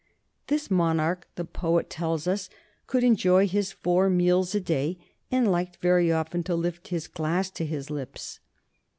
This monarch, the poet tells us, could enjoy his four meals a day, and liked very often to lift his glass to his lips.